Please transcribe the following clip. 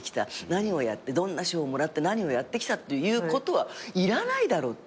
何をやってどんな賞をもらって何をやってきたっていうことはいらないだろうって。